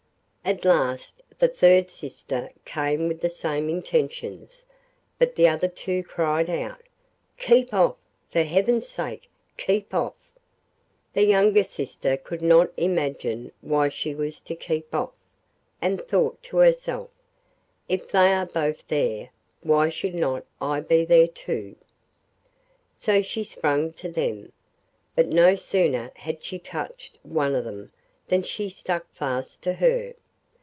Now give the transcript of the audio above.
At last the third sister came with the same intentions, but the other two cried out: 'Keep off! for Heaven's sake, keep off!' The younger sister could not imagine why she was to keep off, and thought to herself: 'If they are both there, why should not I be there too?' So she sprang to them; but no sooner had she touched one of them than she stuck fast to her.